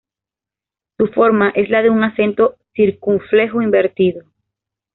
Su forma es la de un acento circunflejo invertido.